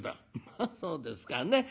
「まあそうですかね。